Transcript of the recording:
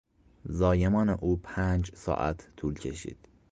زایمان او پنج ساعت طول کشید.